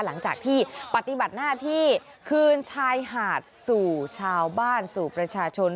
หลังจากที่ปฏิบัติหน้าที่คืนชายหาดสู่ชาวบ้านสู่ประชาชน